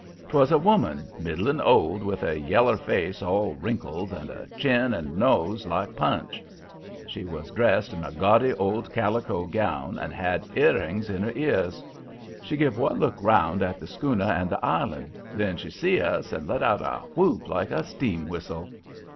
"'Twas a woman, middling old, with a yeller face all wrinkles, and a chin and nose like Punch. She was dressed in a gaudy old calico gown, and had earrings in her ears. She give one look round at the schooner and the island. Then she see us and let out a whoop like a steam whistle.